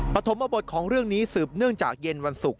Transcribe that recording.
ปฐมบทของเรื่องนี้สืบเนื่องจากเย็นวันศุกร์